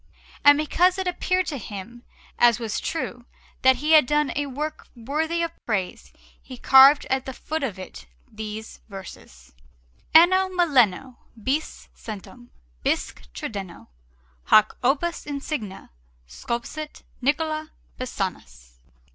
And because it appeared to him, as was true, that he had done a work worthy of praise, he carved at the foot of it these verses: ANNO MILLENO BIS CENTUM BISQUE TRIDENO HOC OPUS INSIGNE SCULPSIT NICOLA PISANUS.